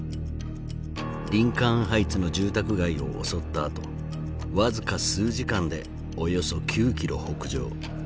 リンカーン・ハイツの住宅街を襲ったあと僅か数時間でおよそ９キロ北上。